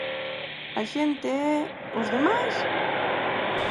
A xente é... Os demais?